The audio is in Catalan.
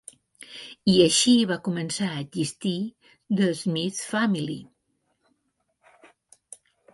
I així va començar a existir The Smith Family.